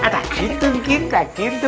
atau gitu mungkin tak gitu